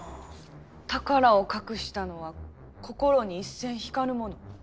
「宝を隠したのは、心に一線引かぬ者」。